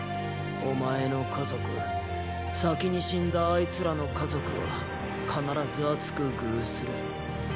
お前の家族先に死んだあいつらの家族は必ず厚く遇する。